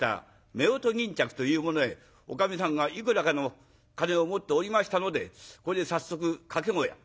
めおと巾着というものへおかみさんがいくらかの金を持っておりましたのでこれで早速掛け小屋